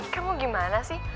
kamu gimana sih